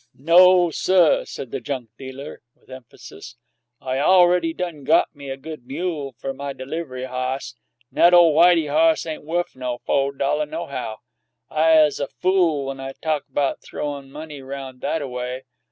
"No, suh!" said the junk dealer, with emphasis. "I awready done got me a good mule fer my deliv'ry hoss, 'n'at ole Whitey hoss ain' wuff no fo' dollah nohow! I 'uz a fool when I talk 'bout th'owin' money roun' that a way.